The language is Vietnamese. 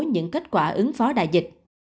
những kết quả ứng phó đại dịch